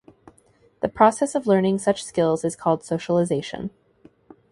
The process of learning such skills is called socialization.